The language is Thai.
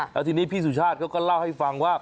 แล้วทีนี้พี่สุชาติเขาก็เล่าให้ฟังว่า